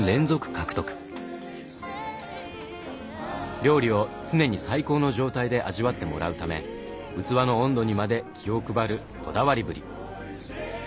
料理を常に最高の状態で味わってもらうため器の温度にまで気を配るこだわりぶり。